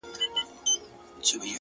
هر وختي ته نـــژدې كـيــږي دا ـ